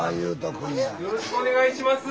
よろしくお願いします